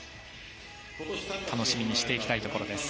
楽しみにしていきたいところです。